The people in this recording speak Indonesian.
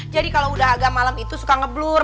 jadi kalau udah agak malam itu suka ngeblur